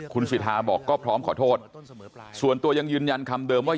คุณสิทธาบอกก็พร้อมขอโทษส่วนตัวยังยืนยันคำเดิมว่า